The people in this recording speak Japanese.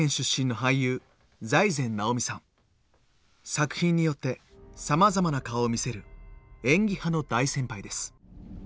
作品によってさまざまな顔を見せる演技派の大先輩です。